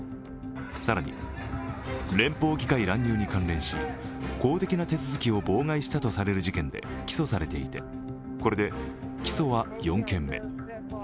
更に、連邦議会乱入に関連し、公的な手続きを妨害したとされる事件で起訴されていて、これで起訴は４件目。